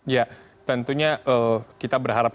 ya tentunya kita berharap